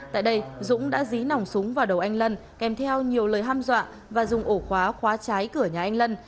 tại đây dũng đã dí nòng súng vào đầu anh lân kèm theo nhiều lời ham dọa và dùng ổ khóa khóa khóa trái cửa nhà anh lân